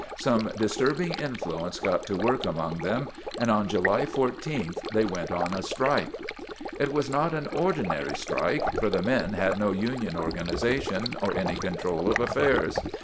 Some disturbing influence got to work among them and on July i4th they went on a strike. It was not an ordinary strike, for the men had no union organization or any control of affairs.